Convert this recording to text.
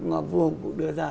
mà vua hùng cũng đưa ra